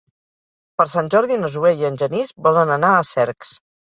Per Sant Jordi na Zoè i en Genís volen anar a Cercs.